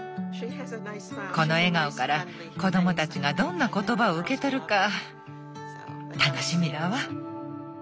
この笑顔から子供たちがどんな言葉を受け取るか楽しみだわ。